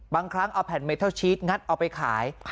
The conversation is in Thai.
บางครั้งเอาแผ่นเมทัลชีสงัดเอาไปขาย